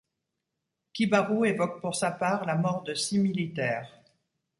Kibaru évoque pour sa part la mort de six militaires.